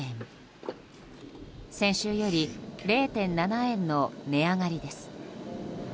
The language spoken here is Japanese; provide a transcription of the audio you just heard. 先週より０．７円の値上がりです。